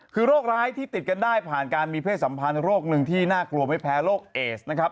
คือโรคร้ายที่ติดกันได้ผ่านการมีเพศสัมพันธ์โรคหนึ่งที่น่ากลัวไม่แพ้โรคเอสนะครับ